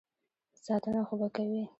ساتنه خو به کوي.